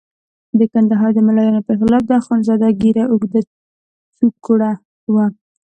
د کندهار د ملایانو برخلاف د اخندزاده ږیره اوږده څوکړه وه.